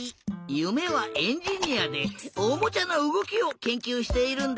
ゆめはエンジニアでおもちゃのうごきをけんきゅうしているんだって！